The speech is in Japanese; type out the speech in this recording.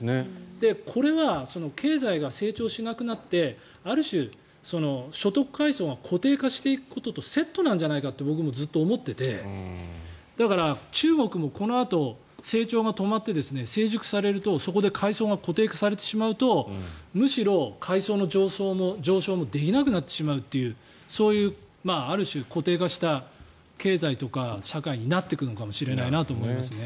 これは経済が成長しなくなってある種、所得階層が固定化していくこととセットなんじゃないかって僕、ずっと思っていてだから、中国もこのあと、成長が止まって成熟されると、そこで階層が固定化されてしまうとむしろ、階層の上昇もできなくなってしまうというそういう、ある種固定化した経済とか社会になっていくのかもしれないなと思いますね。